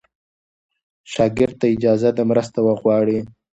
شاګرد ته اجازه ده مرسته وغواړي.